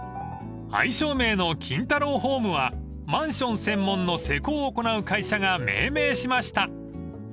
［愛称名の金太郎ホームはマンション専門の施工を行う会社が命名しました］